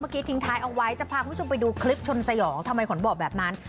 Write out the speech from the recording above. ทิ้งท้ายเอาไว้จะพาคุณผู้ชมไปดูคลิปชนสยองทำไมขวัญบอกแบบนั้น